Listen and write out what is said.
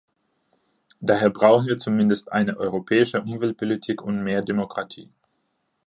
Daher brauchen wir zumindest eine europäische Umweltpolitik und mehr Demokratie.